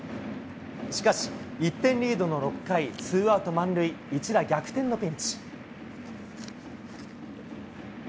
しかし、１点リードの６回、ツーアウト満塁、一打逆転のピンチ。